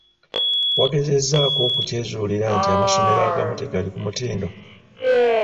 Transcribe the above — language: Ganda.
Wagezezzaako okukyezuulira nti amasomero agamu tegali ku mutindo?